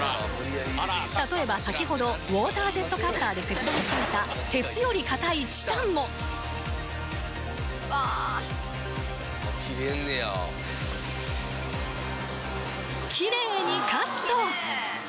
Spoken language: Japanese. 例えば先ほどウォータージェットカッターで切断していた鉄より硬いチタンもうわ切れんねやきれいにカット！